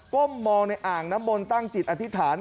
้มมองในอ่างน้ำมนต์ตั้งจิตอธิษฐาน